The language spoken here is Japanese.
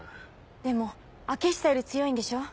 でも開久より強いんでしょ